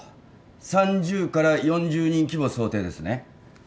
３０から４０人規模想定ですね。